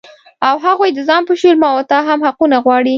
او هغوی د ځان په شمول ما و تاته هم حقونه غواړي